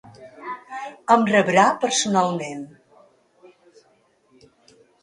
Em rebrà personalment.